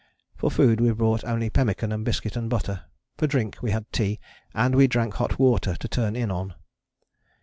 For food we brought only pemmican and biscuit and butter; for drink we had tea, and we drank hot water to turn in on.